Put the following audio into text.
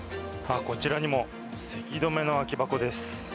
こちらにもせき止めの空き箱です。